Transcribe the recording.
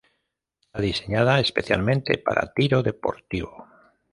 Está diseñada específicamente para tiro deportivo.